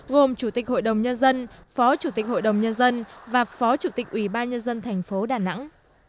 gồm chủ tịch hội đồng nhân dân phó chủ tịch hội đồng nhân dân và phó chủ tịch ủy ban nhân dân thành phố đà nẵng